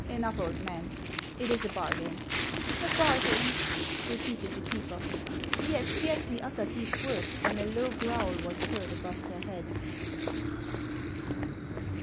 " Enough, old man ; it is a bargain." " A bargain," repeated the keeper. He had scarcely uttered these words, when a low growl was heard above their heads.